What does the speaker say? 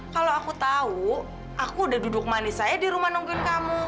kalau aku tahu aku udah duduk manis saya di rumah nungguin kamu